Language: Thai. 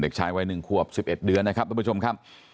เด็กชายวัยหนึ่งควบสิบเอ็ดเดือนนะครับทุกผู้ชมครับ